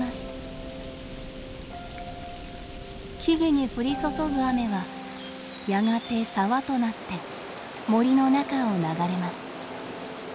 木々に降り注ぐ雨はやがて沢となって森の中を流れます。